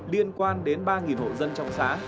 liên quan đến ba hộ dân trong xã